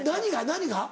何が？